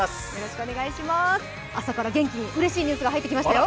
朝から元気にうれしいニュースが入ってきましたよ。